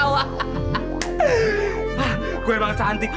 wah gue emang cantik